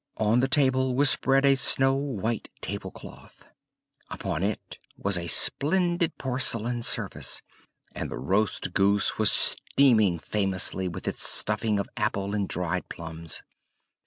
On the table was spread a snow white tablecloth; upon it was a splendid porcelain service, and the roast goose was steaming famously with its stuffing of apple and dried plums.